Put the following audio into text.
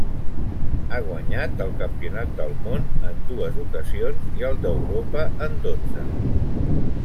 Ha guanyat el campionat del món en dues ocasions i el d'Europa en dotze.